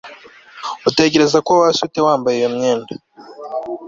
utekereza ko wasa ute wambaye iyo myenda